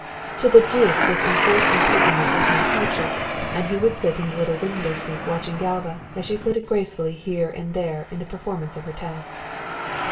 To the duke this enforced imprisonment was no hardship, and he would sit in the little window seat watching Galva as she flitted gracefully here and there in the performance of her tasks.